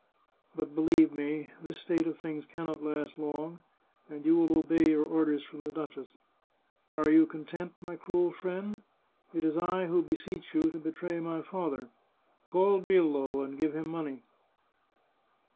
But, beUeve me, this state of things can not last long, and you will obey your orders from the duchess. Are you content, my cruel friend? It is I who beseech you to betray my father ! Call Grillo, and give him money